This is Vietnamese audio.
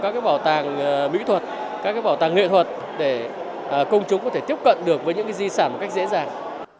các bảo tàng mỹ thuật các bảo tàng nghệ thuật để công chúng có thể tiếp cận được với những di sản một cách dễ dàng